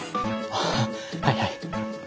ああはいはい。